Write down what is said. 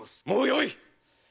もうよい！